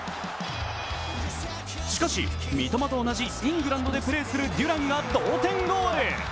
しかし、三笘と同じイングランドでプレーするデュランが同点ゴール。